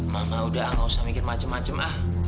mama udah gak usah mikir macem macem ah